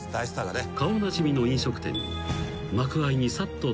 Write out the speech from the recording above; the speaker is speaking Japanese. ［顔なじみの飲食店に］